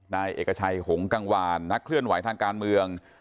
นายเอกชัยหงกังวานนักเคลื่อนไหวทางการเมือง